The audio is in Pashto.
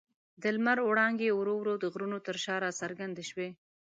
د لمر وړانګې ورو ورو د غرونو تر شا راڅرګندې شوې.